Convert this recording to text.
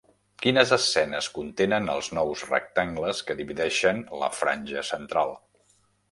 Quines escenes contenen els nous rectangles que divideixen la franja central?